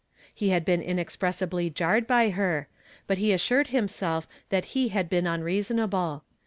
lie had been inexpressibly jarred by her, but he assured himself that he had been unreasonable.